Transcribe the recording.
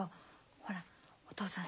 ほらお父さん